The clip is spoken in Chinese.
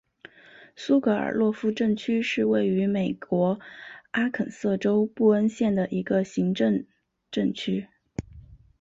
苏格尔洛夫镇区是位于美国阿肯色州布恩县的一个行政镇区。